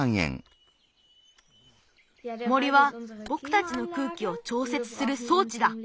森はぼくたちの空気をちょうせつするそうちだ。